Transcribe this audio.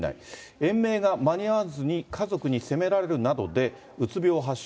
延命が間に合わずに家族に責められるなどでうつ病を発症。